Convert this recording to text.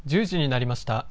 １０時になりました。